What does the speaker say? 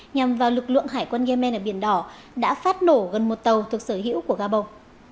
nhằm vào lực lượng hải quân yemen ở biển đỏ đã phát nổ gần một tàu thuộc sở hữu của gabon